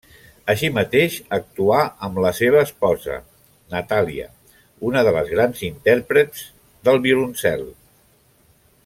Així mateix actuà amb la seva esposa, Natàlia, una de les grans interpretes del violoncel.